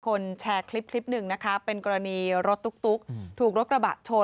แชร์คลิปคลิปหนึ่งนะคะเป็นกรณีรถตุ๊กถูกรถกระบะชน